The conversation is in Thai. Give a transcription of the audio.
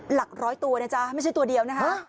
หลักร้อยตัวนะจ๊ะไม่ใช่ตัวเดียวนะคะ